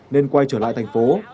nên quay trở lại thành phố